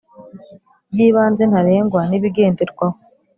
Ry ibanze ntarengwa n ibigenderwaho